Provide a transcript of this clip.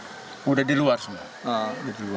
sudah di luar semua